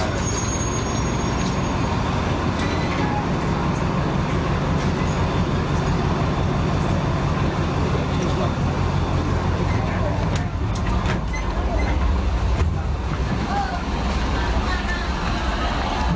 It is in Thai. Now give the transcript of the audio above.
สวัสดีครับสวัสดีครับ